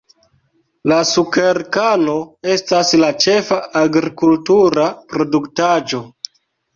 La sukerkano estas la ĉefa agrikultura produktaĵo.